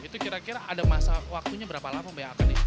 itu kira kira ada masa waktunya berapa lama bayangkan